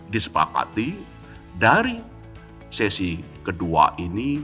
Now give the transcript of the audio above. disepakati dari sesi kedua ini